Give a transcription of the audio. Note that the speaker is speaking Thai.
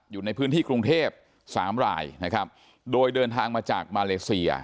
อยู่ในพื้นที่กรุงเทพสามรายนะครับโดยเดินทางมาจากมาเลเซีย